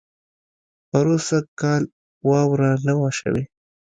پروسږ کال واؤره نۀ وه شوې